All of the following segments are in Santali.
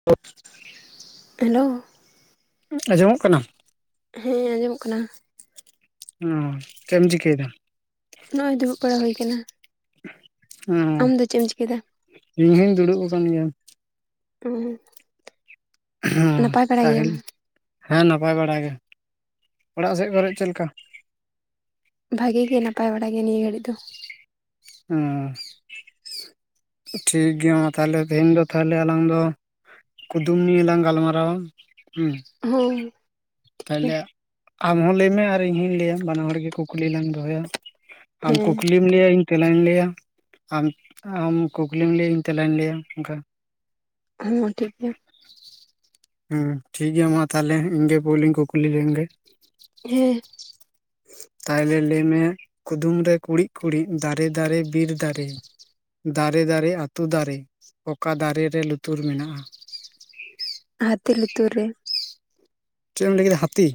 [unintelligible] ᱦᱮᱞᱳ ᱟᱸᱡᱚᱢᱚᱜ ᱠᱟᱱᱟ ᱦᱮᱸ ᱟᱸᱡᱚᱢᱚᱜ ᱠᱟᱱᱟ ᱚᱢ ᱪᱮᱫ ᱮᱢ ᱪᱤᱠᱟᱹᱮᱫᱟ? ᱱᱚᱜ-ᱚᱭ ᱫᱩᱲᱩᱵ ᱵᱟᱲᱟ ᱦᱩᱭ ᱟᱠᱟᱱᱟ ᱚᱸ ᱟᱢ ᱫᱚ ᱪᱮᱫ ᱮᱢ ᱪᱤᱠᱟᱹᱭ ᱫᱟ ᱤᱧ ᱦᱚᱧ ᱫᱩᱲᱩᱵ ᱟᱠᱟᱱ ᱜᱮᱭᱟ ᱦᱩᱸ ᱦᱩᱸ ᱛᱟᱦᱮᱞᱤ ᱦᱮᱸ ᱱᱟᱯᱟᱭ ᱵᱟᱲᱟ ᱜᱮ ᱚᱲᱟᱜ ᱥᱮᱫ ᱠᱚᱨᱮ ᱪᱮᱫ ᱞᱮᱠᱟ ᱵᱷᱟᱜᱮ ᱜᱮ ᱱᱟᱯᱟᱭ ᱵᱟᱲᱟ ᱜᱮᱭᱟ ᱱᱤᱭᱟᱹ ᱜᱷᱟᱹᱲᱤᱡ ᱫᱚ ᱩᱸ ᱴᱷᱤᱠ ᱜᱮᱭᱟ ᱢᱟ ᱛᱟᱦᱚᱞᱮ ᱛᱮᱦᱮᱧ ᱫᱚ ᱛᱟᱦᱚᱞᱮ ᱟᱞᱟᱝ ᱫᱚ ᱠᱩᱫᱩᱢ ᱱᱤᱭᱮ ᱞᱟᱝ ᱜᱟᱞᱢᱟᱨᱟᱣᱟ ᱦᱩᱸ ᱦᱳᱭ ᱛᱟᱦᱚᱞᱮ ᱟᱢ ᱦᱚᱸ ᱞᱟᱹᱭ ᱢᱮ ᱟᱨ ᱤᱧ ᱞᱟᱹᱭ-ᱟ ᱵᱟᱱᱟ ᱦᱚᱲ ᱜᱮ ᱠᱩᱠᱞᱤ ᱞᱟᱝ ᱫᱚᱦᱚᱭᱟ ᱟᱢ ᱠᱩᱠᱞᱤ ᱦᱮᱸ ᱠᱩᱠᱞᱤᱢ ᱞᱟᱹᱭ-ᱟ ᱤᱧ ᱛᱮᱞᱟᱧ ᱞᱟᱹᱭ-ᱟ ᱟᱢ ᱟᱢ ᱠᱩᱠᱞᱤᱢ ᱞᱟᱹᱭ-ᱟ ᱤᱧ ᱛᱮᱞᱟᱧ ᱞᱟᱹᱭ-ᱟ ᱚᱱᱠᱟ ᱦᱮᱸ ᱴᱷᱤᱠ ᱜᱮᱭᱟ ᱦᱮᱸ ᱴᱷᱤᱠ ᱜᱮᱭᱟ ᱢᱟ ᱛᱟᱦᱚᱞᱮ ᱤᱧ ᱜᱮ ᱯᱳᱭᱞᱳᱧ ᱠᱩᱠᱞᱤ ᱞᱮᱱᱜᱮ ᱦᱮᱸ [inaudible] ᱛᱟᱭᱞᱮ ᱞᱟᱹᱭ ᱢᱮ ᱠᱩᱫᱩᱢ ᱨᱮ ᱠᱩᱲᱤᱫ ᱠᱩᱲᱤᱫ ᱫᱟᱨᱮ ᱫᱟᱨᱮ ᱵᱤᱨ ᱫᱟᱨᱮ ᱫᱟᱨᱮ ᱫᱟᱨᱮ ᱟᱹᱛᱩ ᱫᱟᱨᱮ ᱚᱠᱟ ᱫᱟᱨᱮ ᱨᱮ ᱞᱩᱛᱩᱨ ᱢᱮᱱᱟᱜᱼᱟ ᱦᱟᱹᱛᱤ ᱞᱩᱛᱩᱨ ᱨᱮ ᱪᱮᱫ ᱮᱢ ᱞᱟᱹᱭ ᱠᱮᱫᱟ ᱦᱟᱹᱛᱤ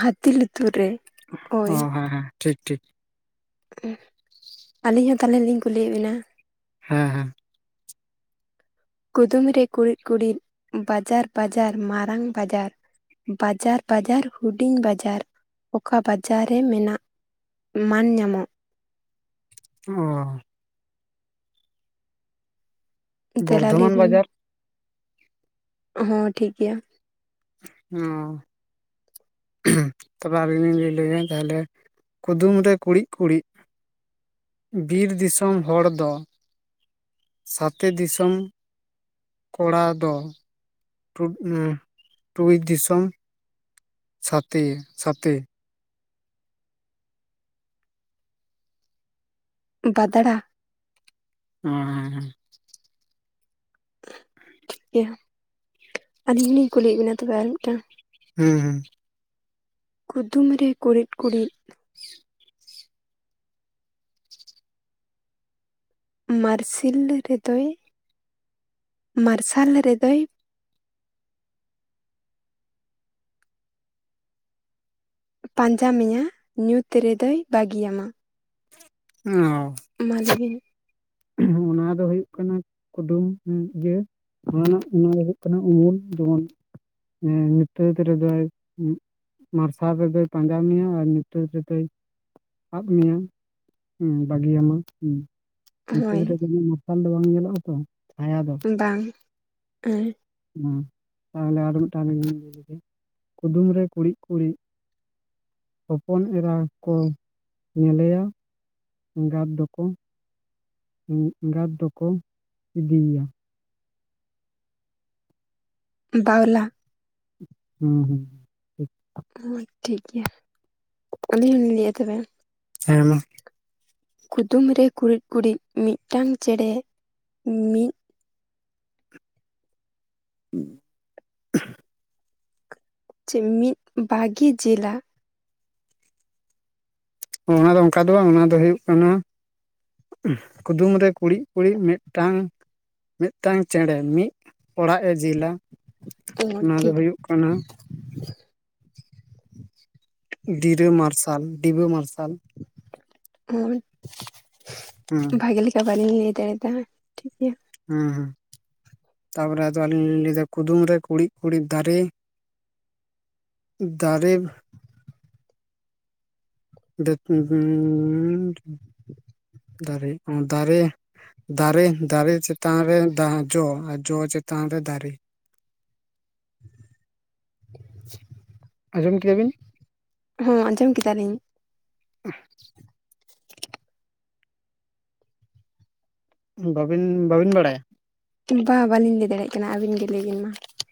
ᱦᱟᱹᱛᱤ ᱞᱩᱛᱩᱨ ᱨᱮ ᱚ ᱳᱤ ᱦᱮᱸ ᱦᱮᱸ ᱴᱷᱤᱠ ᱴᱷᱤᱠ ᱟᱹᱞᱤᱧ ᱦᱚᱸ ᱛᱟᱦᱚᱞᱮ ᱞᱤᱧ ᱠᱩᱞᱤᱭᱮᱫ ᱵᱤᱱᱟ ᱦᱮᱸ ᱦᱮᱸ ᱠᱩᱫᱩᱢ ᱨᱮ ᱠᱩᱲᱤᱫ ᱠᱩᱲᱤᱫ ᱵᱟᱡᱟᱨ ᱵᱟᱡᱟᱨ ᱢᱟᱨᱟᱝ ᱵᱟᱡᱟᱨ ᱵᱟᱡᱟᱨ ᱵᱟᱡᱟᱨ ᱦᱩᱰᱤᱧ ᱵᱟᱡᱟᱨ ᱚᱠᱟ ᱵᱟᱡᱟᱨ ᱨᱮ ᱢᱮᱱᱟᱜ ᱢᱟᱱ ᱧᱟᱢᱚᱜ ᱚ ᱛᱮᱞᱟ ᱞᱟᱹᱭ ᱵᱚᱨᱫᱷᱚᱢᱟᱱ ᱵᱤᱱ ᱢᱟ ᱵᱟᱡᱟᱨ ᱦᱚᱸ ᱴᱷᱤᱠ ᱜᱮᱭᱟ ᱦᱚᱸ ᱛᱚᱵᱮ ᱤᱧᱤᱧ ᱞᱤᱧ ᱞᱟᱹᱭ ᱞᱮᱜᱮ ᱛᱟᱦᱚᱞᱮ ᱠᱩᱫᱩᱢ ᱨᱮ ᱠᱩᱲᱤᱫ ᱠᱩᱲᱤᱫ ᱵᱤᱨ ᱫᱤᱥᱚᱢ ᱦᱚᱲ ᱫᱚ ᱥᱟᱛᱮ ᱫᱤᱥᱚᱢ ᱠᱚᱲᱟ ᱫᱚ ᱴᱩᱭ ᱫᱤᱥᱚᱢ ᱥᱟᱛᱮ ᱥᱟᱛᱮ ᱵᱟᱫᱽᱲᱟ ᱦᱮᱸ ᱦᱮᱸ ᱦᱮᱸ ᱴᱷᱤᱠ ᱜᱮᱭᱟ ᱟᱹᱞᱤᱧ ᱞᱤᱧ ᱠᱩᱞᱤᱭᱮᱫ ᱵᱤᱱᱟ ᱛᱚᱵᱮ ᱟᱨ ᱢᱤᱫᱴᱟᱝ ᱦᱩᱸ ᱠᱩᱫᱩᱢ ᱨᱮ ᱠᱩᱲᱤᱫ ᱠᱩᱲᱤᱫ ᱢᱟᱨᱥᱮᱞ ᱨᱮᱫᱚᱭ ᱢᱟᱨᱥᱟᱞ ᱨᱮᱫᱚᱭ ᱯᱟᱸᱡᱟ ᱢᱮᱭᱟ ᱧᱩᱸᱛ ᱨᱮᱫᱚᱭ ᱵᱟᱹᱜᱤᱭᱟᱢᱟ ᱚ ᱢᱟ ᱞᱟᱹᱭ ᱵᱤᱱ ᱚᱱᱟ ᱫᱚ ᱦᱩᱭᱩᱜ ᱠᱟᱱᱟ ᱠᱩᱫᱩᱢ ᱤᱭᱟᱹ ᱚᱱᱟ ᱨᱮᱱᱟᱜ ᱚᱱᱟ ᱫᱚ ᱦᱩᱭᱩᱜ ᱠᱟᱱᱟ ᱩᱢᱩᱞ ᱡᱮᱢᱚᱱ ᱧᱩᱛᱟᱹᱫ ᱨᱮᱫᱚᱭ ᱢᱟᱨᱥᱟᱞ ᱨᱮᱫᱚᱭ ᱯᱟᱸᱡᱟ ᱢᱮᱭᱟ ᱟᱨ ᱧᱩᱛᱟᱹᱫ ᱨᱮᱫᱚᱭ ᱟᱫ ᱢᱮᱭᱟ ᱦᱩ ᱵᱟᱹᱜᱤᱭᱟᱢᱟ ᱧᱩᱛᱟᱹᱫ ᱦᱳᱭ ᱨᱮ ᱩᱱᱟᱹᱜ ᱢᱟᱨᱥᱟᱞ ᱫᱚ ᱵᱟᱝ ᱧᱮᱞᱚᱜᱼᱟ ᱛᱚ ᱪᱷᱟᱭᱟ ᱫᱚ ᱵᱟᱝ ᱟᱨ ᱦᱩᱸ ᱛᱟᱦᱚᱞᱮ ᱟᱨ ᱢᱤᱫᱴᱟᱝᱤ ᱞᱤᱧ ᱞᱟᱹᱭ ᱞᱮᱜᱮ ᱠᱩᱫᱩᱢ ᱨᱮ ᱠᱩᱲᱤᱫ ᱠᱩᱲᱤᱫ ᱦᱚᱯᱚᱱ ᱮᱨᱟ ᱠᱚ ᱧᱮᱞᱮᱭᱟ ᱮᱸᱜᱟᱛ ᱫᱚᱠᱚ ᱮᱸᱜᱟᱛ ᱫᱚᱠᱚ ᱤᱫᱤᱮᱭᱟ ᱵᱟᱣᱞᱟ ᱦᱩᱸ ᱦᱩᱸ ᱴᱷᱤᱠ᱾ ᱦᱳᱭ ᱴᱷᱤᱠ ᱜᱮᱭᱟ ᱟᱹᱞᱤᱧ ᱦᱚᱞᱤᱧ ᱞᱟᱹᱭᱼᱟ ᱛᱚᱵᱮ ᱦᱮᱸ ᱢᱟ ᱠᱩᱫᱩᱢ ᱨᱮ ᱠᱩᱲᱤᱫ ᱠᱩᱲᱤᱫ ᱢᱤᱫᱴᱟᱝ ᱪᱮᱬᱮ ᱢᱤᱫ [unintelligible] ᱪᱮᱫ ᱢᱤᱫ ᱵᱟᱜᱤ ᱡᱮᱞᱟ ᱚᱱᱟ ᱫᱚ ᱚᱱᱠᱟ ᱫᱚ ᱵᱟᱝ ᱚᱱᱟ ᱫᱚ ᱦᱩᱭᱩᱜ ᱠᱟᱱᱟ ᱠᱩᱫᱩᱢ ᱨᱮ ᱠᱩᱬᱤᱫ ᱠᱩᱬᱤᱫ ᱢᱤᱫᱴᱟᱝ ᱢᱤᱫᱴᱟᱝ ᱪᱮᱬᱮ ᱢᱤᱫ ᱚᱲᱟᱜ ᱮ ᱡᱤᱞᱟ ᱚ ᱚᱱᱟ ᱫᱚ ᱴᱷᱤᱠ ᱦᱩᱭᱩᱜ ᱠᱟᱱᱟ ᱰᱤᱨᱟᱹ ᱢᱟᱨᱥᱟᱞ ᱰᱤᱵᱟᱹ ᱢᱟᱨᱥᱟᱞ ᱦᱳᱭ ᱦᱩᱸ ᱵᱷᱟᱜᱮ ᱞᱮᱠᱟ ᱵᱟᱹᱞᱤᱧ ᱞᱟᱹᱭ ᱫᱟᱲᱮᱟᱫᱟ ᱴᱷᱤᱠ ᱜᱮᱭᱟ ᱦᱩᱸ ᱦᱩᱸ ᱛᱟᱯᱚᱨᱮ ᱟᱫᱚ ᱟᱹᱞᱤᱧ ᱞᱤᱧ ᱞᱟᱹᱭ ᱮᱫᱟ ᱠᱩᱫᱩᱢ ᱨᱮ ᱠᱩᱲᱤᱫ ᱠᱩᱲᱤᱫ ᱫᱟᱨᱮ ᱫᱟᱨᱮᱵᱽ ᱫᱟᱨᱮᱻ ᱚ ᱫᱟᱨᱮ ᱫᱟᱨᱮ-ᱫᱟᱨᱮ ᱪᱮᱛᱟᱱ ᱨᱮ ᱫᱟ ᱡᱚ ᱟᱨ ᱡᱚ ᱪᱮᱛᱟᱱ ᱨᱮ ᱫᱟᱨᱮ ᱟᱸᱡᱚᱢ ᱠᱮᱫᱟ ᱵᱤᱱ? ᱦᱚᱸ ᱟᱸᱡᱚᱢ ᱠᱮᱫᱟᱞᱤᱧ᱾ ᱵᱟᱵᱤᱱ-ᱵᱟᱵᱤᱱ ᱵᱟᱲᱟᱭᱟ? ᱵᱟ ᱵᱟᱞᱤᱧ ᱞᱟᱹᱭ ᱫᱟᱲᱮᱜᱭᱟᱜ ᱠᱟᱱᱟ, ᱟᱹᱵᱤᱱ ᱜᱮ ᱞᱟᱹᱭ ᱵᱤᱱ ᱢᱟ?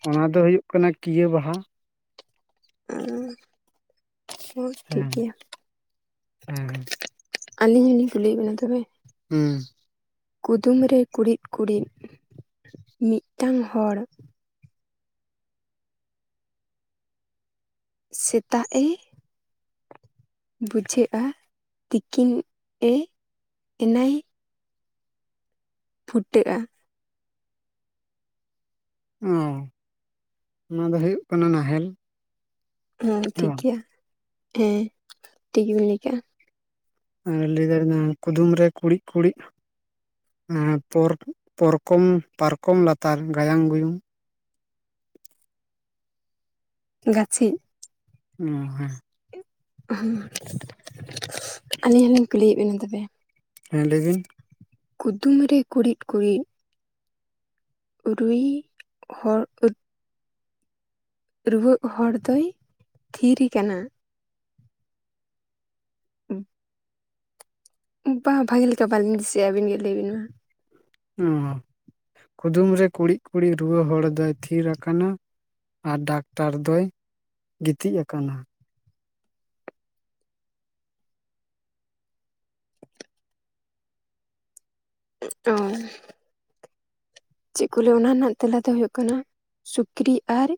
ᱚᱱᱟ ᱫᱚ ᱦᱳᱭᱳᱜ ᱠᱟᱱᱟ ᱠᱤᱭᱟᱹ ᱵᱟᱦᱟ᱾ ᱦᱩᱸ ᱦᱳᱭ ᱴᱷᱤᱠ ᱦᱮᱸ ᱜᱮᱭᱟ᱾ ᱦᱮᱸ ᱟᱹᱞᱤᱧ ᱦᱚᱞᱤᱧ ᱠᱩᱞᱤᱭᱮᱫ ᱵᱤᱱᱟ ᱛᱚᱵᱮ? ᱦᱩᱸᱻ᱾ ᱠᱩᱫᱩᱢ ᱨᱮ ᱠᱩᱬᱤᱫ ᱠᱩᱬᱤᱫ ᱢᱤᱫᱴᱟᱝ ᱦᱚᱲ ᱥᱮᱛᱟᱜ ᱮ ᱵᱩᱡᱷᱟᱹᱜᱼᱟ, ᱛᱤᱠᱤᱱ ᱮ ᱮᱱᱟᱭ ᱯᱷᱩᱴᱟᱹᱜᱼᱟ᱾ ᱚᱻ ᱚᱱᱟ ᱫᱚ ᱦᱩᱭᱩᱜ ᱠᱟᱱᱟ ᱱᱟᱦᱮᱞ᱾ ᱦᱮᱸ ᱴᱷᱤᱠ ᱜᱮᱭᱟ, ᱦᱮᱸ ᱴᱷᱤᱠ ᱜᱮᱵᱤᱱ ᱞᱟᱹᱭ ᱠᱮᱜᱼᱟ᱾ ᱟᱨ ᱞᱟᱹᱭ ᱫᱟᱲᱮᱧᱟ ᱠᱩᱫᱩᱢ ᱨᱮ ᱠᱩᱲᱤᱫ ᱠᱩᱬᱤᱫ ᱯᱚᱨ ᱯᱚᱨᱠᱚᱢ, ᱯᱟᱨᱠᱚᱢ ᱞᱟᱛᱟᱨ ᱜᱟᱭᱟᱱ ᱜᱩᱭᱩᱝ? ᱜᱟᱥᱤᱡ᱾ ᱚ ᱦᱮᱸ᱾ ᱦᱚᱸ ᱟᱹᱞᱤᱧ ᱦᱚᱞᱤᱧ ᱠᱩᱞᱤᱭᱮᱫ ᱵᱮᱱᱟ ᱛᱚᱵᱮ? ᱦᱮᱸ ᱞᱟᱹᱭᱵᱤᱱ᱾ ᱠᱩᱫᱩᱢ ᱨᱮ ᱠᱩᱬᱤᱫ ᱠᱩᱬᱤᱫ ᱛᱭᱨᱩᱭ ᱦᱚᱲ ᱟᱹᱴ ᱨᱩᱣᱟᱹᱜ ᱦᱚᱲ ᱫᱚᱭ ᱛᱷᱤᱨ ᱠᱟᱱᱟ? [unintelligible] ᱵᱟ ᱵᱷᱟᱜᱮ ᱞᱮᱠᱟ ᱵᱟᱞᱤᱧ ᱫᱤᱥᱟᱹᱭᱮᱜᱼᱟ᱾ ᱟᱵᱤᱱᱜᱮ ᱞᱟᱹᱭ ᱵᱤᱱ ᱢᱟ? ᱚ ᱠᱩᱫᱩᱢ ᱨᱮ ᱠᱩᱲᱤᱫ ᱠᱩᱲᱤᱫ ᱨᱩᱣᱟᱹ ᱦᱚᱲ ᱫᱚᱭ ᱛᱷᱤᱨ ᱟᱠᱟᱱᱟ ᱟᱨ ᱰᱟᱠᱛᱟᱨ ᱫᱚᱭ ᱜᱤᱛᱤᱡ ᱟᱠᱟᱱᱟ? ᱮᱫ ᱪᱚᱝ [unintelligible] ᱪᱮᱫ ᱠᱚ ᱞᱟᱹᱭᱟ ᱚᱱᱟ ᱨᱮᱱᱟᱜ ᱛᱮᱞᱟ ᱫᱚ ᱦᱳᱭᱳᱜ ᱠᱟᱱᱟ ᱥᱩᱠᱨᱤ, ᱟᱨ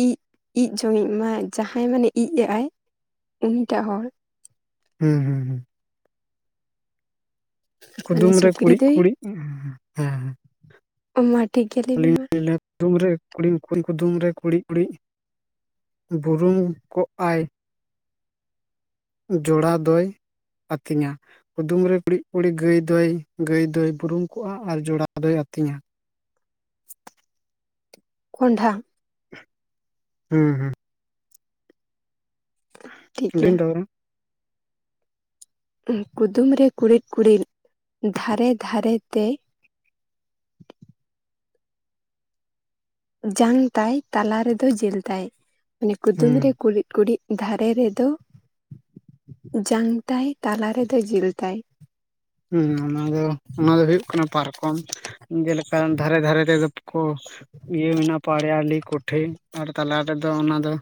ᱤᱡᱽ, ᱤᱡᱽ ᱡᱚᱝᱤᱡ ᱢᱟ ᱡᱟᱦᱟᱸᱭ ᱢᱟᱱᱮ ᱤᱡᱽ ᱮᱜᱼ ᱟᱭ ᱩᱱᱤᱴᱟᱜ ᱦᱚᱲ᱾ ᱦᱮᱸᱻ ᱦᱮᱸᱻ᱾ ᱢᱟᱱᱮ ᱠᱩᱫᱩᱢ ᱨᱮ ᱥᱩᱠᱨᱤ ᱠᱩᱲᱤᱫ ᱫᱚᱭ ᱠᱩᱲᱤᱫ, ᱦᱮᱸ ᱚ ᱢᱟ ᱴᱷᱤᱠ ᱜᱮᱭᱟ, ᱞᱟᱹᱭᱵᱤᱱ ᱢᱟ? ᱦᱮᱸ ᱠᱩᱫᱩᱢ ᱨᱮ ᱠᱩᱬᱤᱫ ᱠᱩᱬᱤᱫ ᱠᱩᱫᱩᱢ ᱨᱮ ᱠᱩᱬᱤᱫ ᱠᱩᱬᱤᱫ ᱵᱩᱨᱩᱢ ᱠᱚᱜ ᱟᱭ ᱡᱚᱲᱟ ᱫᱚᱭ ᱟᱹᱛᱤᱧᱟ? ᱠᱩᱫᱩᱢ ᱨᱮ ᱠᱩᱲᱤᱫ ᱠᱩᱲᱤᱫ ᱜᱟᱹᱭ ᱫᱚᱭ- ᱜᱟᱹᱭ ᱫᱚᱭ ᱵᱩᱨᱩᱢ ᱠᱚᱜᱼᱟ, ᱟᱨ ᱡᱚᱲᱟ ᱫᱚᱭ ᱟᱹᱛᱤᱧᱟ? [inaudible] ᱠᱷᱚᱱᱰᱷᱟ᱾ ᱦᱩᱸ-ᱦᱩᱸ᱾ ᱴᱷᱤᱠ ᱜᱮᱭᱟ ᱟᱹᱞᱤᱧ ᱫᱚ ᱠᱩᱫᱩᱢ ᱨᱮ ᱠᱩᱲᱤᱫ ᱠᱩᱲᱤᱫ ᱫᱷᱟᱨᱮ ᱫᱷᱟᱨᱮ ᱛᱮ ᱡᱟᱝ ᱛᱟᱭ ᱛᱟᱞᱟ ᱨᱮᱫᱚ ᱡᱤᱞ ᱛᱟᱭ? ᱢᱟᱱᱮ ᱠᱩᱫᱩᱢ ᱨᱮ ᱦᱩᱸ ᱠᱩᱲᱤᱫ ᱠᱩᱲᱤᱫ ᱫᱷᱟᱨᱮ ᱨᱮᱫᱚ ᱡᱟᱝ ᱛᱟᱭ, ᱛᱟᱞᱟ ᱨᱮᱫᱚ ᱡᱮᱞ ᱛᱟᱭ? ᱦᱮᱸ ᱚᱱᱟ ᱫᱚ, ᱚᱱᱟ ᱫᱚ ᱦᱳᱭᱳᱜ ᱠᱟᱱᱟ ᱯᱟᱨᱠᱚᱢ, ᱡᱮᱞᱮᱠᱟ ᱫᱷᱟᱨᱮ ᱫᱷᱟᱨᱮ ᱛᱮᱫᱚ ᱠᱚ ᱤᱭᱟᱹ ᱢᱮᱱᱟᱜᱼᱟ, ᱯᱟᱲᱭᱟᱞᱤ ᱠᱚᱴᱷᱮ ᱟᱨ ᱛᱟᱞᱟ ᱨᱮᱫᱚ ᱚᱱᱟ ᱫᱚ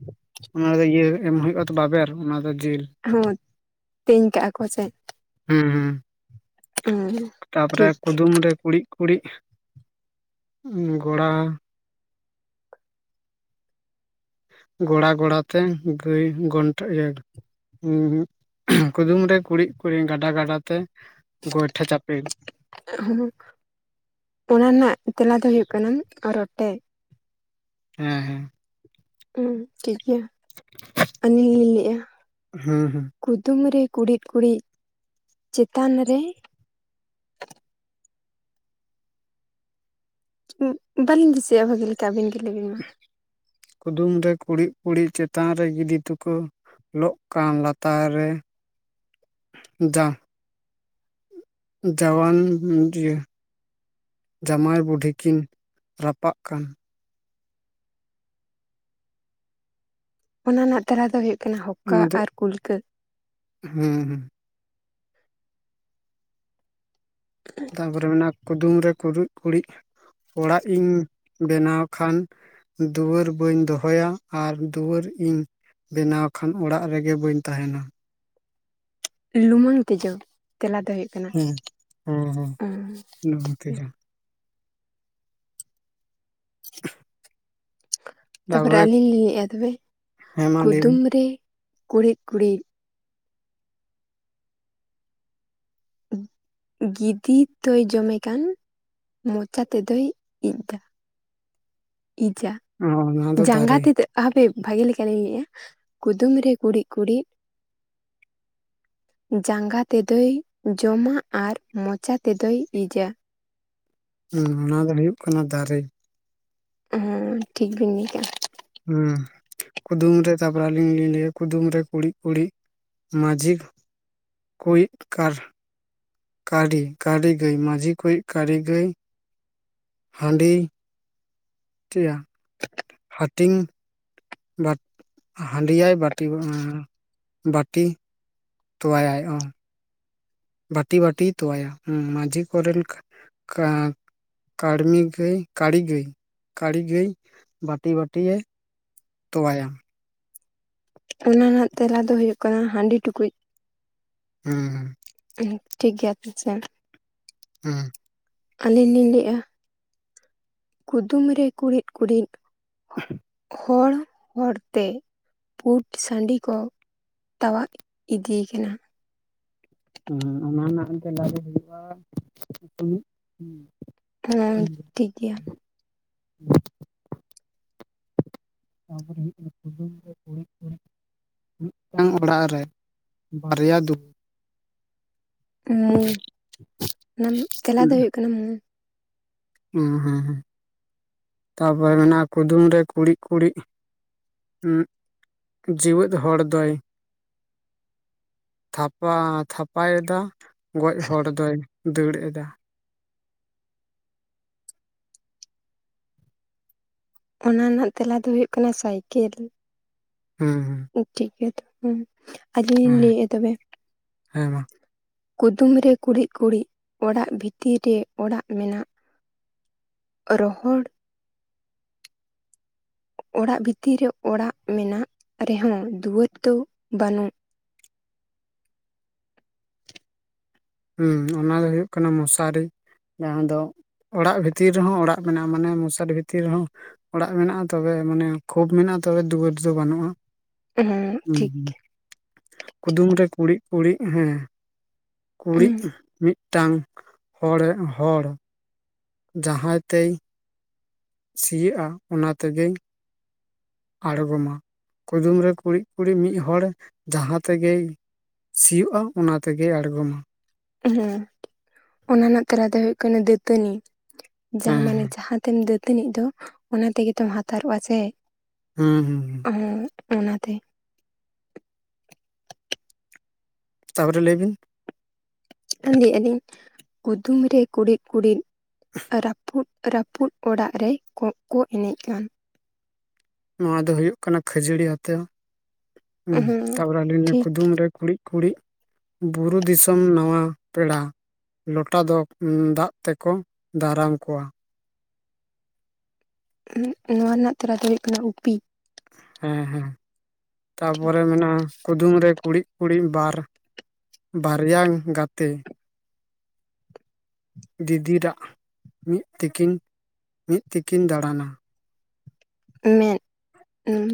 ᱚᱱᱟ ᱫᱚ ᱤᱭᱟᱹ ᱮᱢ ᱦᱳᱭᱳᱜᱼᱟ, ᱛᱚ ᱵᱟᱵᱮᱨ ᱚᱱᱟ ᱫᱚ ᱡᱮᱞ᱾ ᱦᱚᱸ ᱛᱮᱧ ᱠᱟᱜᱼᱟ ᱠᱚ ᱪᱮᱜ ᱾ ᱦᱮᱸ ᱦᱩᱸ ᱾ ᱩᱸ ᱛᱟᱯᱚᱨᱮ ᱠᱩᱫᱩᱢ ᱨᱮ ᱠᱩᱲᱤᱫ ᱠᱩᱬᱤᱫ ᱜᱚᱲᱟ ᱜᱚᱲᱟ ᱜᱚᱲᱟᱛᱮ ᱜᱟᱹᱭ ᱜᱚᱱᱴᱮ [unintelligible] ᱠᱩᱫᱩᱢ ᱨᱮ ᱠᱩᱲᱤᱫ ᱠᱩᱲᱤᱫ ᱜᱟᱰᱟ ᱜᱟᱰᱟ ᱛᱮ ᱜᱚᱭᱴᱷᱟ ᱪᱟᱯᱮ ᱾ [unintelligible] ᱚᱱᱟ ᱨᱮᱱᱟᱜ ᱛᱮᱞᱟ ᱫᱚ ᱦᱩᱭᱩᱜ ᱠᱟᱱᱟ ᱨᱚᱴᱮ ᱾ ᱦᱩᱸ ᱦᱩᱸ ᱾ ᱦᱩᱸ ᱴᱷᱤᱠ ᱜᱮᱭᱟ, ᱟᱹᱞᱤᱧ ᱞᱤᱧ ᱞᱟᱹᱭᱮᱜᱼᱟ ᱦᱩᱸ ᱦᱩᱸ ᱾ ᱠᱩᱫᱩᱢ ᱨᱮ ᱠᱩᱲᱤᱫ ᱠᱩᱲᱤᱫ ᱪᱮᱛᱟᱱ ᱨᱮ ᱵᱟᱹᱞᱤᱧ ᱫᱤᱥᱟᱹᱭᱮᱼᱟ ᱵᱷᱟᱹᱜᱤ ᱞᱮᱠᱟ ᱟᱹᱵᱤᱱ ᱜᱮ ᱞᱟᱹᱭᱵᱤᱱ ᱢᱟ ᱾ ᱠᱩᱫᱩᱢ ᱨᱮ ᱠᱩᱲᱤᱫ ᱠᱩᱲᱤᱫ ᱪᱮᱛᱟᱱ ᱨᱮ ᱜᱤᱫᱤ ᱛᱩᱠᱟᱹ ᱞᱚᱜ ᱠᱟᱱ ᱞᱟᱛᱟᱨ ᱨᱮ ᱡᱟ ᱡᱟᱣᱟᱱ [unintelligible] ᱡᱟᱢᱟᱭ ᱵᱩᱰᱦᱤ ᱠᱤᱱ ᱨᱟᱯᱟᱜ ᱠᱟᱱ ᱾ ᱚᱱᱟ ᱨᱮᱱᱟᱜ ᱛᱮᱞᱟ ᱫᱚ ᱦᱳᱭᱳᱜ ᱠᱟᱱᱟ ᱦᱚᱠᱟ ᱟᱨ ᱠᱩᱞᱠᱟᱹ ᱾ ᱦᱩᱸ ᱦᱩᱸ ᱾ ᱛᱟᱨᱯᱚᱨᱮ ᱢᱮᱱᱟᱜᱼᱟ, ᱠᱩᱫᱩᱢ ᱨᱮ ᱠᱩᱨᱩᱡ ᱠᱩᱲᱤᱡ ᱚᱲᱟᱜ ᱤᱧ ᱵᱮᱱᱟᱣ ᱠᱷᱟᱱ ᱫᱩᱣᱟᱹᱨ ᱵᱟᱹᱧ ᱫᱚᱦᱚᱭᱟ ᱟᱨ ᱫᱩᱣᱟᱹᱨ ᱤᱧ ᱵᱮᱱᱟᱣ ᱠᱷᱟᱱ ᱚᱲᱟᱜ ᱨᱮᱜᱮ ᱵᱟᱹᱧ ᱛᱟᱦᱮᱱᱟ ᱾ ᱞᱩᱢᱟᱹᱝ ᱛᱮᱡᱩ ᱛᱮᱞᱟ ᱫᱚ ᱦᱩᱭᱩᱜ ᱠᱟᱱᱟ ᱦᱮᱸ ᱦᱮᱸ ᱦᱮᱸ ᱾ ᱟᱻ ᱴᱷᱤᱠ ᱱᱚᱝᱠᱟ ᱜᱮᱭᱟ ᱜᱮ᱾ ᱛᱟᱯᱚᱨᱮ ᱟᱹᱞᱤᱧ ᱞᱤᱧ ᱞᱮᱫᱼᱟ ᱛᱚᱵᱮ ᱦᱮᱸ ᱢᱟ ᱞᱟᱹᱭ ᱵᱤᱱ ᱠᱩᱫᱩᱢ ᱨᱮ ᱠᱩᱲᱤᱫ ᱠᱩᱲᱤᱫ ᱜᱤᱫᱤ ᱛᱚᱭ ᱡᱚᱢᱮ ᱠᱟᱱ ᱢᱚᱪᱟ ᱛᱮᱫᱚᱭ ᱤᱡ ᱫᱟ ᱾ ᱤᱡᱟ ᱚᱱᱟ ᱫᱚ ᱡᱟᱸᱜᱟ ᱫᱟᱨᱮ ᱛᱮᱫᱚ ᱦᱟᱯᱮ, ᱵᱷᱟᱜᱮ ᱞᱮᱠᱟᱞᱤᱤᱧ ᱠᱩᱫᱩᱢ ᱨᱮ ᱠᱩᱲᱤᱫ ᱠᱩᱲᱤᱫ ᱡᱟᱸᱜᱟ ᱛᱮᱫᱚᱭ ᱡᱚᱢᱟ ᱟᱨ ᱢᱚᱪᱟ ᱛᱮᱫᱚᱭ ᱤᱡᱟ ᱾ ᱦᱩᱸ ᱚᱱᱟ ᱫᱚ ᱦᱩᱭᱩᱜ ᱠᱟᱱᱟ ᱫᱟᱨᱮ ᱾ ᱦᱩᱸ ᱴᱷᱤᱠ ᱵᱤᱱ ᱞᱟᱹᱭ ᱠᱟᱜᱼᱟ ᱾ ᱦᱮᱸ ᱠᱩᱫᱩᱢ ᱨᱮ ᱛᱟᱯᱚᱨᱮ ᱞᱤᱝ ᱞᱤᱧ ᱞᱟᱹᱭᱟ ᱠᱩᱫᱩᱢ ᱨᱮ ᱠᱩᱲᱤᱫ ᱠᱩᱲᱤᱫ ᱢᱟᱹᱡᱷᱤ ᱠᱚᱭᱤᱡ ᱠᱟᱨ ᱠᱟᱹᱟᱹᱨᱤ ᱠᱟᱹᱨᱤ ᱜᱟᱹᱭ ᱢᱟᱹᱡᱷᱤ ᱠᱩᱭᱤᱡ ᱠᱟᱹᱟᱹᱨᱤ ᱜᱟᱹᱭ ᱦᱟᱺᱰᱤ ᱴᱤᱭᱟ ᱦᱟᱹᱴᱤᱧ ᱦᱟᱸᱰᱤᱭᱟᱭ ᱵᱟᱹᱴᱤ ᱵᱟᱹᱴᱤ ᱛᱚᱣᱟ ᱭᱟᱭ ᱾ ᱵᱟᱹᱴᱤ ᱵᱟᱹᱴᱤᱭ ᱛᱚᱣᱟᱭᱟ ᱦᱩᱸ ᱢᱟᱹᱡᱷᱤ ᱠᱚᱨᱮᱱ ᱠᱟ ᱠᱟᱹᱲᱢᱤ ᱜᱟᱹᱭ ᱠᱟᱹᱲᱤ ᱜᱟᱹᱭ ᱠᱟᱹᱲᱤ ᱜᱟᱹᱭ ᱵᱟᱹᱴᱤ ᱵᱟᱹᱴᱤ ᱭᱮ ᱛᱚᱣᱟᱭᱟ ᱾ ᱚᱱᱟ ᱨᱮᱱᱟᱜ ᱛᱮᱞᱟ ᱫᱚ ᱦᱩᱭᱩᱜ ᱠᱟᱱᱟ ᱦᱟᱺᱰᱤ ᱴᱩᱠᱩᱡ ᱾ ᱦᱩᱸ ᱦᱩᱸ ᱾ [unintelligible] ᱴᱷᱤᱠ ᱜᱮᱭᱟ [unintelligible] ᱦᱩᱸ ᱾ ᱟᱹᱞᱤᱧ ᱞᱤᱧ ᱞᱟᱹᱭᱮ-ᱟ ᱾ ᱠᱩᱫᱩᱢ ᱨᱮ ᱠᱩᱲᱤᱫ ᱠᱩᱲᱤᱫ ᱦᱚᱲ ᱦᱚᱲ ᱛᱮ ᱯᱩᱰ ᱥᱟᱺᱰᱤ ᱠᱚ ᱛᱟᱣᱟᱜ ᱤᱫᱤᱭᱮ ᱠᱟᱱᱟ ᱾ ᱦᱩᱸ ᱚᱱᱟ ᱨᱮᱱᱟᱜ ᱛᱮᱞᱟ ᱫᱚ ᱦᱩᱭᱩᱜᱼᱟ ᱥᱩᱱᱩᱡ ᱾ [unintelligible] ᱦᱩᱸ ᱴᱷᱤᱠ ᱜᱮᱭᱟ ᱾ ᱛᱟᱯᱚᱨᱮ ᱦᱩᱭᱩᱜ ᱠᱟᱱᱟ ᱠᱩᱫᱩᱢ ᱨᱮ ᱠᱩᱲᱤᱫ ᱠᱩᱲᱤᱫ ᱢᱤᱫᱴᱟᱝ ᱚᱲᱟᱜ ᱨᱮ ᱵᱟᱨᱭᱟ ᱫᱩᱣᱟᱹᱨ ᱾ ᱢᱩ ᱚᱱᱟ ᱨᱮᱱᱟᱝ ᱛᱮᱞᱟ ᱫᱚ ᱦᱩᱭᱩᱜ ᱠᱟᱱᱟ ᱢᱩ ᱾ ᱦᱮᱸ ᱦᱮᱸ ᱦᱮᱸ ᱛᱟᱨᱯᱚᱨᱮ ᱢᱮᱱᱟᱜᱼᱟ ᱠᱩᱫᱩᱢ ᱨᱮ ᱠᱩᱲᱤᱫ ᱠᱩᱲᱤᱫ ᱩᱸ ᱡᱮᱣᱮᱫ ᱦᱚᱲ ᱫᱚᱭ ᱛᱷᱟᱯᱟ ᱛᱷᱟᱯᱟᱭ ᱮᱫᱟ ᱜᱚᱡ ᱦᱚᱲ ᱫᱚᱭ ᱫᱟᱹᱲ ᱮᱫᱟ ᱚᱱᱟ ᱨᱮᱱᱟᱜ ᱛᱮᱞᱟ ᱫᱚ ᱦᱩᱭᱩᱜ ᱠᱟᱱᱟ ᱥᱟᱭᱠᱮᱞ ᱦᱩᱸ ᱦᱩᱸ ᱴᱷᱤᱠ ᱜᱮᱭᱟ ᱛᱚᱵᱮ ᱟᱞᱤᱧ ᱞᱤᱧ ᱦᱮᱸ ᱞᱟᱹᱭᱮᱫᱼᱟ ᱛᱚᱵᱮ ᱦᱮᱸ ᱢᱟ ᱠᱩᱫᱩᱢ ᱨᱮ ᱠᱩᱲᱤᱫ ᱠᱩᱲᱤᱫ ᱚᱲᱟᱜ ᱵᱷᱤᱛᱤᱨ ᱨᱮ ᱚᱲᱟᱜ ᱢᱮᱱᱟᱜ ᱨᱚᱦᱚᱲ ᱚᱲᱟᱜ ᱵᱷᱤᱛᱤᱨ ᱨᱮ ᱚᱲᱟᱜ ᱢᱮᱱᱟᱜ ᱨᱮᱦᱚᱸ ᱫᱩᱣᱟᱹᱨ ᱫᱚ ᱵᱟᱹᱱᱩᱜ ᱦᱩᱸ ᱚᱱᱟ ᱫᱚ ᱦᱩᱭᱩᱜ ᱠᱟᱱᱟ ᱢᱚᱥᱟᱨᱤ ᱡᱟᱦᱟᱸ ᱫᱚ ᱚᱲᱟᱜ ᱵᱷᱤᱛᱤᱨ ᱨᱮᱦᱚᱸ ᱚᱲᱟᱜ ᱢᱮᱱᱟᱜ ᱢᱟᱱᱮ ᱢᱚᱥᱟᱨᱤ ᱵᱷᱤᱛᱤᱨ ᱨᱮᱦᱚᱸ ᱚᱲᱟᱜ ᱢᱮᱱᱟᱜᱼᱟ ᱛᱚᱵᱮ ᱢᱟᱱᱮ ᱠᱷᱳᱯ ᱢᱮᱱᱟᱜᱼᱟ ᱛᱚᱵᱮ ᱫᱩᱣᱟᱹᱨ ᱫᱚ ᱵᱟᱹᱱᱩᱜᱼᱟ ᱦᱮᱸ ᱦᱩᱸ ᱴᱷᱤᱠ ᱦᱩᱸ ᱠᱩᱫᱩᱢ ᱨᱮ ᱠᱩᱲᱤᱫ ᱠᱩᱲᱤᱫ ᱦᱮᱸ ᱦᱮᱸ ᱠᱩᱲᱤᱫ ᱢᱤᱫᱴᱟᱝ ᱦᱚᱲᱮ ᱦᱚᱲ ᱡᱟᱦᱟᱸᱭ ᱛᱮᱭ ᱥᱤᱭᱚᱜᱼᱟ ᱚᱱᱟ ᱛᱮᱜᱮᱧ ᱟᱲᱜᱚᱢᱟ ᱠᱩᱫᱩᱢ ᱨᱮ ᱠᱩᱲᱤᱫ ᱠᱩᱲᱤᱫ ᱢᱤᱫ ᱦᱚᱲ ᱡᱟᱦᱟᱸ ᱛᱮᱜᱮᱭ ᱥᱤᱭᱳᱜᱼᱟ ᱚᱱᱟ ᱛᱮᱜᱮᱭ ᱟᱲᱜᱚᱢᱟ ᱦᱮᱸ ᱚᱱᱟ ᱨᱮᱱᱟᱜ ᱛᱮᱞᱟ ᱫᱚ ᱦᱩᱭᱩᱜ ᱠᱟᱱᱟ ᱫᱟᱹᱛᱟᱹᱱᱤ ᱡᱟᱦᱟᱸ ᱦᱮᱸ ᱢᱟᱱᱮ ᱦᱮᱸ ᱡᱟᱦᱟᱸ ᱛᱮᱢ ᱫᱟᱹᱛᱟᱹᱱᱤᱜ ᱫᱚ ᱚᱱᱟ ᱛᱮᱜᱮ ᱛᱚᱢ ᱦᱟᱛᱟᱨᱚᱜᱼᱟ ᱥᱮ ᱦᱩᱸ ᱦᱩᱸ ᱦᱩᱸ ᱦᱩᱸ ᱚᱱᱟᱛᱮ ᱛᱟᱯᱚᱨ ᱨᱮ ᱞᱟᱹᱭ ᱵᱤᱱ ᱞᱟᱹᱭ ᱟᱹᱞᱤᱧ ᱠᱩᱫᱩᱢ ᱨᱮ ᱠᱩᱲᱤᱫ ᱠᱩᱲᱤᱫ ᱨᱟᱹᱯᱩᱫ ᱨᱟᱹᱯᱩᱫ ᱚᱲᱟᱜ ᱨᱮ ᱠᱚᱜ ᱠᱚ ᱮᱱᱮᱡ ᱠᱟᱱ ᱱᱚᱣᱟ ᱫᱚ ᱦᱩᱭᱩᱜ ᱠᱟᱱᱟ ᱠᱷᱟᱹᱡᱟᱹᱲᱤ ᱟᱛᱟ ᱦᱩᱸ ᱦᱮᱸ ᱛᱟᱯᱚᱨᱮ ᱟᱞᱤᱧ ᱞᱤᱧ ᱴᱷᱤᱠ ᱠᱩᱫᱩᱢ ᱨᱮ ᱠᱩᱲᱤᱫ ᱠᱩᱲᱤᱫ ᱵᱩᱨᱩ ᱫᱤᱥᱚᱢ ᱱᱟᱣᱟ ᱯᱮᱲᱟ ᱞᱚᱴᱟ ᱫᱚ ᱫᱟᱜ ᱛᱮᱠᱚ ᱫᱟᱨᱟᱢ ᱠᱚᱣᱟ ᱩᱸ ᱱᱚᱣᱟ ᱨᱮᱱᱟᱜ ᱛᱮᱞᱟ ᱫᱚ ᱦᱩᱭᱩᱜ ᱠᱟᱱᱟ ᱩᱯᱤ ᱦᱮᱸ ᱦᱮᱸ ᱴᱷᱤᱠ ᱛᱟᱯᱚᱨᱮ ᱢᱮᱱᱟᱜᱼᱟ ᱠᱩᱫᱩᱢ ᱨᱮ ᱠᱩᱲᱤᱫ ᱠᱩᱲᱤᱫ ᱵᱟᱨ ᱵᱟᱨᱭᱟᱝ ᱜᱟᱛᱮ ᱫᱤᱫᱤᱨᱟᱜ ᱢᱤᱫ ᱛᱮᱠᱤᱱ ᱢᱤᱫ ᱛᱮᱠᱤᱱ ᱫᱟᱲᱟᱱᱟ ᱢᱮᱫ [unintelligible]